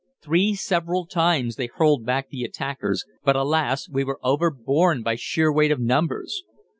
Three several times they hurled back at the attackers, but, alas! we were overborne by sheer weight of numbers.